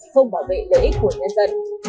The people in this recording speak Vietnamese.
không bảo vệ lợi ích của nhân dân